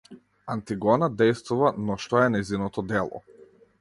Антигона дејствува, но што е нејзиното дело?